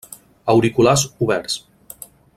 Auriculars oberts.